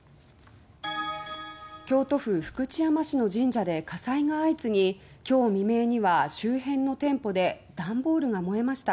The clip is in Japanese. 京都府福知山市の神社で火災が相次ぎ今日未明には周辺の店舗で段ボールが燃えました。